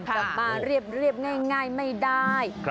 จะมาเรียบง่ายไม่ได้